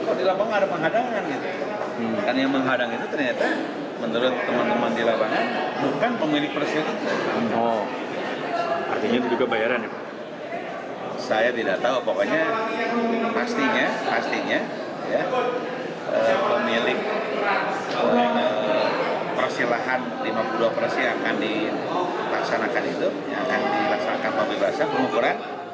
operasi yang akan dilaksanakan itu yang akan dilaksanakan pembebasan pengukuran